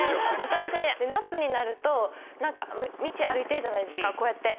私夏になると道歩いてるじゃないですかこうやって。